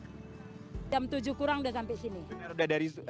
udah dari jam tujuh kurang udah sampai sini